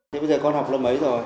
thế bây giờ con học lớp mấy rồi